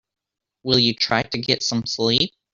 Will you try to get some sleep?